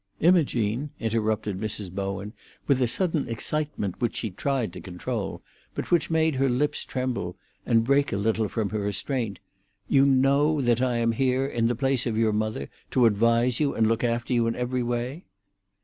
"Imogene," interrupted Mrs. Bowen, with a sudden excitement which she tried to control, but which made her lips tremble, and break a little from her restraint, "you know that I am here in the place of your mother, to advise you and look after you in every way?"